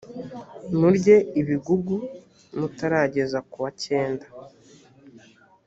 murye ibigugu mutarageza ku wa cyenda `